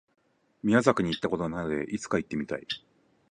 宮崎に行った事がないので、いつか行ってみたい。